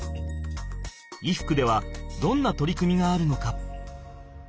衣服ではどんな取り組みがあるのか？